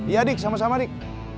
ya dik sama sama dik